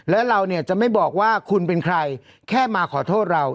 และเราเนี่ยจะไม่บอกว่าคุณเป็นใครแค่มาขอโทษเรา